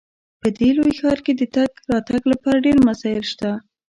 په دې لوی ښار کې د تګ راتګ لپاره ډیر وسایل شته